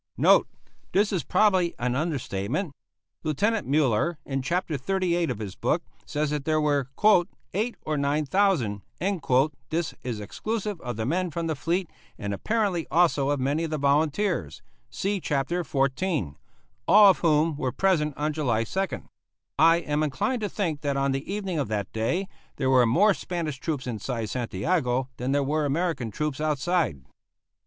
* Note: This is probably an understatement. Lieutenant Muller, in chap. xxxviii. of his book, says that there were "eight or nine thousand;" this is exclusive of the men from the fleet, and apparently also of many of the volunteers (see chap. xiv.), all of whom were present on July 2nd. I am inclined to think that on the evening of that day there were more Spanish troops inside Santiago than there were American troops outside.